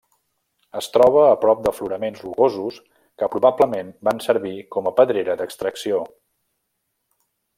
Es troba a prop d'afloraments rocosos que probablement van servir com a pedrera d'extracció.